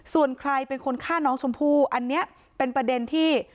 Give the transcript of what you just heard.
ส่วนใครเป็นคนฆ่าน้องชมพู่อันนี้เป็นประเด็นที่